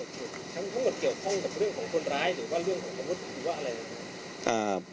ทั้งหมดเกี่ยวข้องกับเรื่องของคนร้ายหรือว่าเรื่องของอาวุธหรือว่าอะไร